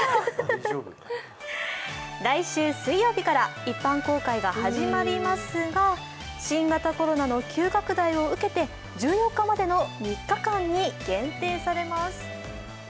来週水曜日から一般公開が始まりますが、新型コロナの急拡大を受けて１４日までの３日間に限定されます。